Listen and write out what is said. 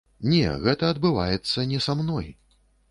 Не, гэта адбываецца не са мной.